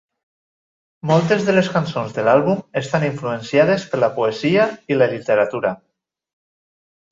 Moltes de les cançons de l'àlbum estan influenciades per la poesia i la literatura.